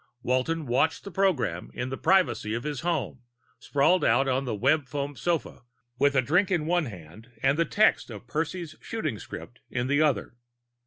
Walton watched the program in the privacy of his home, sprawled out on the foamweb sofa with a drink in one hand and the text of Percy's shooting script in the other.